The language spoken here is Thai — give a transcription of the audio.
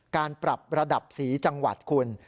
การปรับระดับสีจังหวัดคุณ